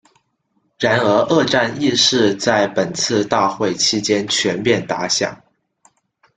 然而二战亦是在本次大会期间全面打响。